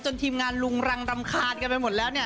จนทีมงานลุงรังรำคาญกันไปหมดแล้ว